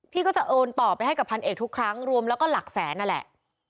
ก็จะโอนต่อไปให้กับพันเอกทุกครั้งรวมแล้วก็หลักแสนนั่นแหละ